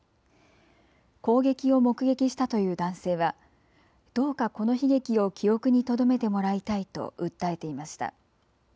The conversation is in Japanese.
攻撃を目撃したという男性はどうかこの悲劇を記憶にとどめてもらいたいと訴えていました。